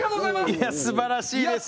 いやすばらしいですね。